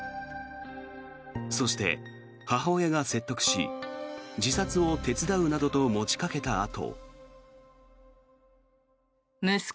そして、母親が説得し自殺を手伝うなどと持ちかけたあと。